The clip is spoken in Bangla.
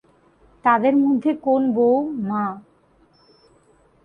তাদের মধ্যে কোন বৌ, মা?